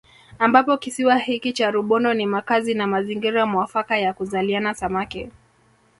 Ambapo kisiwa hiki cha Rubondo ni makazi na mazingira muafaka ya kuzaliana Samaki